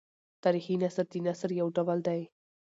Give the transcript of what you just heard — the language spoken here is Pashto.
تاریخي نثر د نثر یو ډول دﺉ.